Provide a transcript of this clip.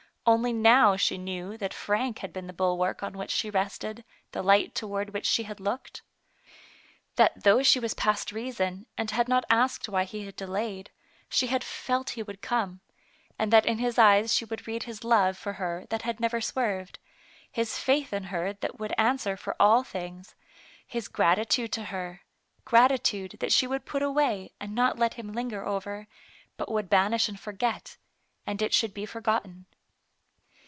Only now she knew that Frank had been the bulwark on which she rested, the light toward which she had looked. That though she was past reason, and had not asked why he had delayed, she had felt he would come, and that in his eyes she would read his love for her that had never swerved, his faith in her that would answer for all things, his gratitude to her, gratitude that she would put away, and not let him linger over, but would banish and forget, and it should be for gotten.